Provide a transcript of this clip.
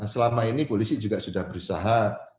selama ini polisi juga sudah berusaha